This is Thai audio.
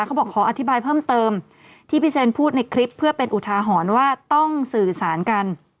เขาบอกขออธิบายเพิ่มเติมที่พี่เซนพูดในคลิปเพื่อเป็นอุทาหรณ์ว่าต้องสื่อสารกัน